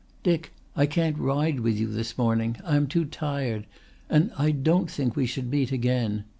"Dick, I can't ride with you this morning. I am too tired ... and I don't think we should meet again.